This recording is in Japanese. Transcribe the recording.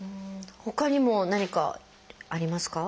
ほかにも何かありますか？